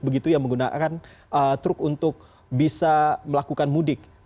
begitu yang menggunakan truk untuk bisa melakukan mudik